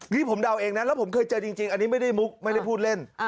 นี่ผมเดาเองนะแล้วผมเคยเจอจริงอันนี้ไม่ได้มุกไม่ได้พูดเล่น